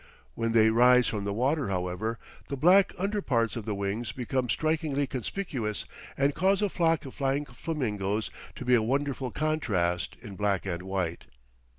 When they rise from the water, however, the black under parts of the wings become strikingly conspicuous and cause a flock of flying flamingoes to be a wonderful contrast in black and white.